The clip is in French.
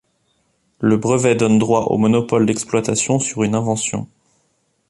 Le brevet donne droit au monopole d'exploitation sur une invention.